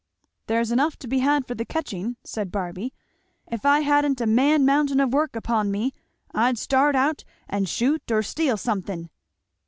"There's enough to be had for the catching," said Barby. "If I hadn't a man mountain of work upon me, I'd start out and shoot or steal something."